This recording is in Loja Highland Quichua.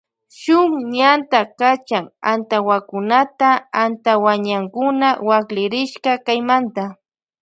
Shun ñanta kachan antawakunata antawañankuna waklirishka kaymanta.